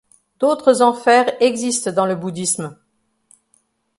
D'autres enfers existent dans le bouddhisme.